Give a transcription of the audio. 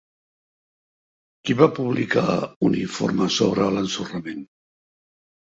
Qui va publicar un informe sobre l'ensorrament?